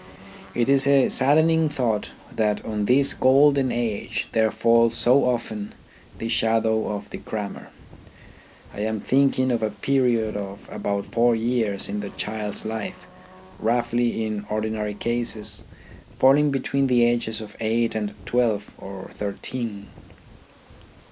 It is a saddening thought that on this golden age there falls so often the shadow of the crammer. I am thinking of a period of about four years of the child's life, roughly, in ordinary cases, falling between the ages of eight and twelve or thirteen.